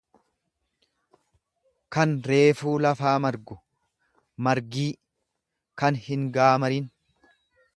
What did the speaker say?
kan reefuu lafaa margu, margii, kan hingaamarin